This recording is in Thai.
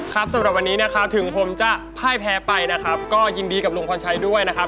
สำหรับวันนี้นะครับถึงผมจะพ่ายแพ้ไปนะครับก็ยินดีกับลุงพรชัยด้วยนะครับ